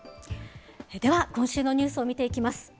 では今週のニュースを見ていきます。